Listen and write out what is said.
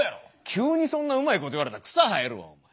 急にそんなうまいこと言われたら草生えるわ。